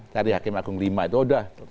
tadi hakim agung lima itu sudah